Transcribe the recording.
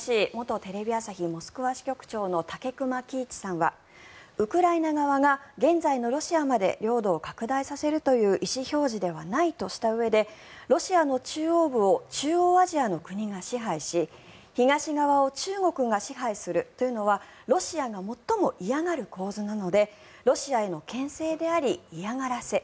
テレビ朝日モスクワ支局長の武隈喜一さんはウクライナ側が現在のロシアまで領土を拡大させるという意思表示ではないとしたうえでロシアの中央部を中央アジアの国が支配し東側を中国が支配するというのはロシアが最も嫌がる構図なのでロシアへのけん制であり嫌がらせ。